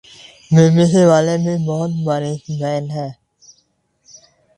be B C والے بھی بہت باریک بین ہیں